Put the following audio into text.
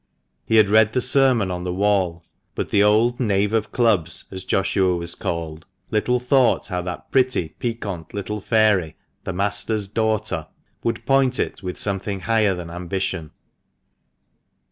He had read the sermon on the wall, but the old " Knave of Clubs," as Joshua was called, little thought how that pretty, piquant little fairy, the " master's daughter," would point it with something higher than ambition.